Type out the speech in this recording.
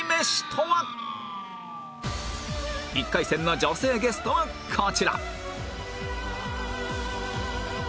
１回戦の女性ゲストはこちら